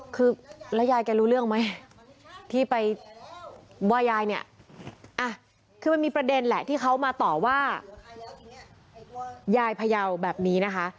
คือแล้วยายแกรู้เรื่องไหมที่ไปว่ายายเนี่ยคือมันมีประเด็นแหละที่เขามาต่อว่ายายพยาวแบบนี้นะคะ